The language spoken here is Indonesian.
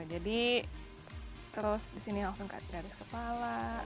jadi terus di sini langsung tarik garis kepala